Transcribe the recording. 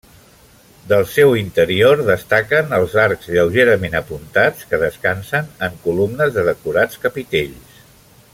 Del seu interior destaquen els arcs lleugerament apuntats que descansen en columnes de decorats capitells.